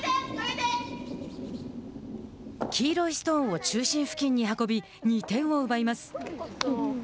黄色いストーンを中心付近に運び２点を奪います。